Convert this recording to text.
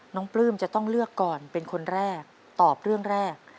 ปลื้มจะต้องเลือกก่อนเป็นคนแรกตอบเรื่องแรก